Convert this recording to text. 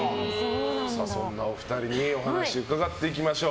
そんなお二人にお話を伺っていきましょう。